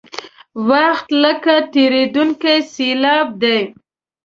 وخت لکه تېرېدونکې سیلاب دی.